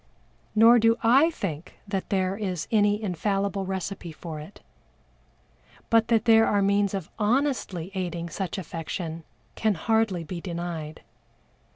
Nor do I think that there is any infallible recipe for it, but that there are means of honestly aiding such affection can hardly be denied.